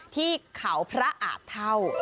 ที่เขาพระอาจเท่า